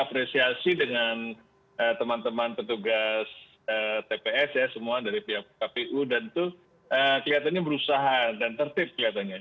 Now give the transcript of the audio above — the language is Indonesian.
apresiasi dengan teman teman petugas tps ya semua dari pihak kpu dan itu kelihatannya berusaha dan tertib katanya